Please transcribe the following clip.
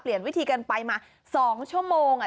เปลี่ยนวิธีกันไปมาสองชั่วโมงอ่ะ